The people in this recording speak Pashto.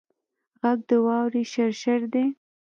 غږ د واورې شرشر دی